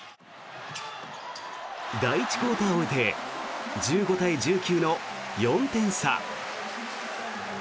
第１クオーターを終えて１５対１９の４点差。